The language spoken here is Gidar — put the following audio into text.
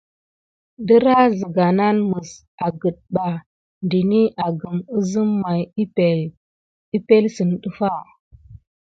Dərah zəga nan məs agət ɓa dəni agəm əzəm may əpelsən ɗəf ɓa.